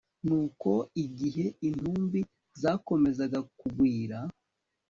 nuko igihe intumbi zakomezaga kugwira